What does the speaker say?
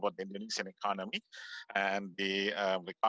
tetapi kebanyakan konsumsi mereka